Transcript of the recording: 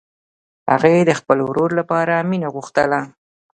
هغې د خپل ورور لپاره مینه غوښتله